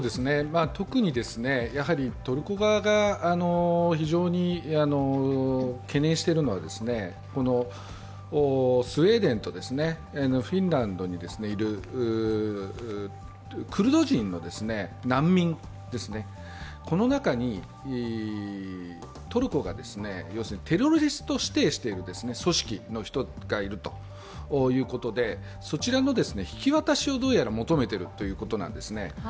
特にトルコ側が非常に懸念しているのはこのスウェーデンとフィンランドにいるクルド人の難民ですね、この中にトルコがテロリスト指定している組織の人がいるということでそちらの引き渡しをどうやら求めているということなんですね。